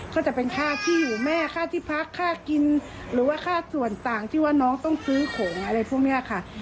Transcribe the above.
ก็จะเป็นค่าที่อยู่แม่ค่าที่พักค่ากินหรือว่าค่าส่วนต่างที่ว่าน้องต้องซื้อของอะไรพวกนี้ค่ะ